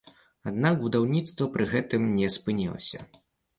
Аднак будаўніцтва пры гэтым не спынілася.